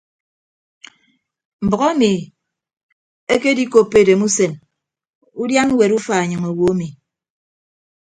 Mbʌk emi ekedikoppo edemusen udian ñwet ufa enyịñ owo emi.